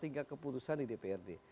tinggal keputusan di dprd